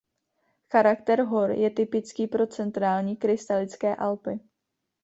Charakter hor je typický pro Centrální krystalické Alpy.